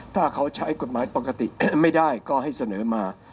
ถ้าเขาใช้กฎหมายปกติแก้ไม่ได้ก็ให้เสนอมา